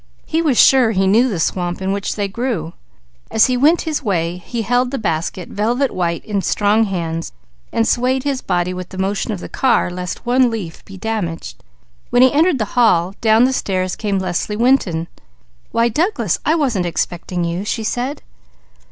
He was sure he knew the swamp in which they grew. As he went his way, he held the basket, velvet white, in strong hands, swaying his body with the motion of the car lest one leaf be damaged. When he entered the hall, down the stairs came Leslie Winton. "Why Douglas, I wasn't expecting you," she said.